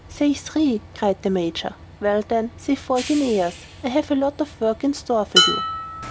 "Say three," cried the Major. "Well, then, say four guineas: I have a lot of work in store for you."